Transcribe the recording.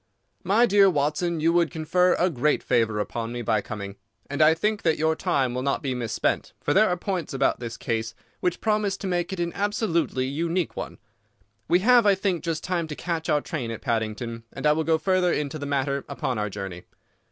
"My dear Watson, you would confer a great favour upon me by coming. And I think that your time will not be misspent, for there are points about the case which promise to make it an absolutely unique one. We have, I think, just time to catch our train at Paddington, and I will go further into the matter upon our journey.